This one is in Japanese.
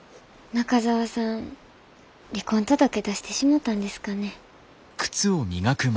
中澤さん離婚届出してしもたんですかね。